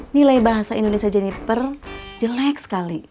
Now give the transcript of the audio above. nilai bahasa indonesia jennieper jelek sekali